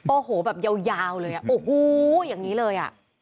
โอโหแบบยาวยาวเลยโอ้โหอย่างนี้เลย